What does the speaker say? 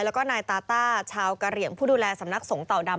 แล้วก็นายตาต้าชาวกะเหลี่ยงผู้ดูแลสำนักสงฆ์เต่าดำ